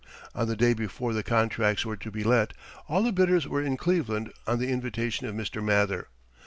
On the day before the contracts were to be let, all the bidders were in Cleveland on the invitation of Mr. Mather.